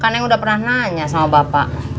kan neng udah pernah nanya sama bapak